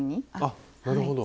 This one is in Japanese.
あなるほど。